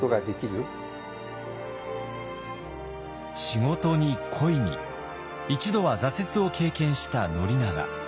仕事に恋に一度は挫折を経験した宣長。